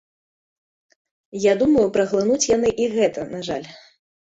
Я думаю, праглынуць яны і гэта, на жаль.